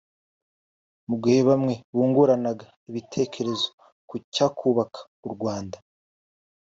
Mu gihe bamwe bunguranaga ibitekerezo ku cyakubaka u Rwanda